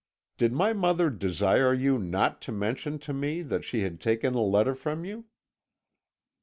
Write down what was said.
"'Did my mother desire you not to mention to me that she had taken the letter from you?'